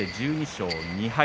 １２勝２敗。